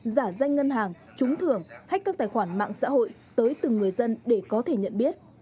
giả danh ngân hàng trúng thưởng hách các tài khoản mạng xã hội tới từng người dân để có thể nhận biết